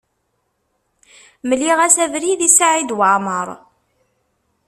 Mliɣ-as abrid i Saɛid Waɛmaṛ.